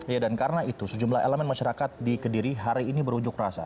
ya dan karena itu sejumlah elemen masyarakat di kediri hari ini berujuk rasa